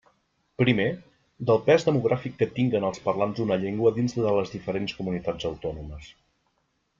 Primer, del pes demogràfic que tinguen els parlants d'una llengua dins de les diferents comunitats autònomes.